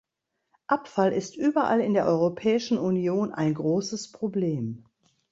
Abfall ist überall in der Europäischen Union ein großes Problem.